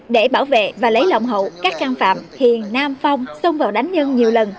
để bảo vệ và lấy lộng hậu các căn phạm hiền nam phong xông vào đánh nhân nhiều lần